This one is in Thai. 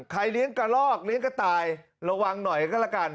เลี้ยงกระลอกเลี้ยงกระต่ายระวังหน่อยก็ละกัน